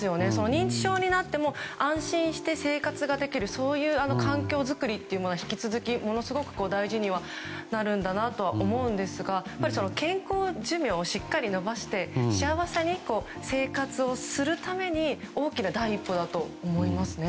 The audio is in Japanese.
認知症になっても安心して生活ができるそういう環境作りというのは引き続きものすごく大事にはなるんだなと思うんですが健康寿命をしっかり延ばして幸せに生活をするために大きな第一歩だと思いますね。